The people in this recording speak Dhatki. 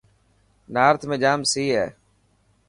نارٿ ۾ جام سئي هي.